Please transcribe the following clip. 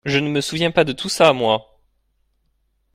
Je ne me souviens pas de tout ça, moi !